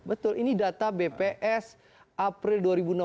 betul ini data bps april dua ribu enam belas